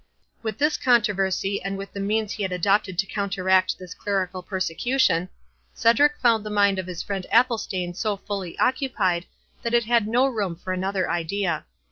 With this controversy, and with the means he had adopted to counteract this clerical persecution, Cedric found the mind of his friend Athelstane so fully occupied, that it had no room for another idea.